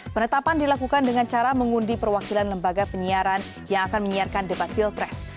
penetapan dilakukan dengan cara mengundi perwakilan lembaga penyiaran yang akan menyiarkan debat pilpres